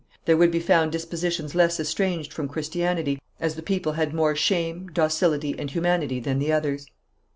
There would be found dispositions less estranged from Christianity, as the people had more shame, docility and humanity than the others.